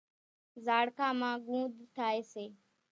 زاڙکان مان ڳونۮ ٿائيَ سي۔